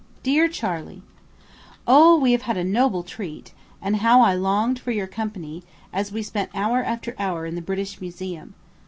DEAR CHARLEY: O, we have had a noble treat; and how I longed for your company, as we spent hour after hour in the British Museum.